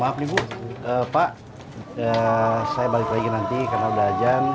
maaf nih bu pak saya balik lagi nanti karena belajar